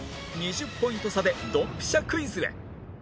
２０ポイント差でドンピシャクイズへ